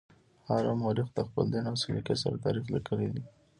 هر مورخ د خپل دین او سلیقې سره تاریخ لیکلی دی.